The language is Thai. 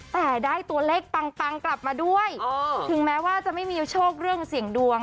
แต่ได้ตัวเลขปังปังกลับมาด้วยถึงแม้ว่าจะไม่มีโชคเรื่องเสี่ยงดวง